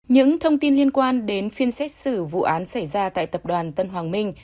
những thông tin liên quan đến phiên xét xử vụ án xảy ra tại tập đoàn tân hoàng minh